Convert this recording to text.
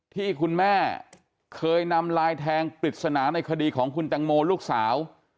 ที่คุณแม่เคยนำลายแทงปริศนาในคดีของคุณตังโมลูกสาว